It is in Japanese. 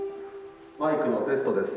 マイクのテストです